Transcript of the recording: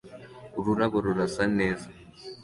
Ururabo rurasa neza